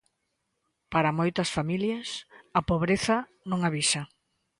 Para moitas familias, a pobreza non avisa.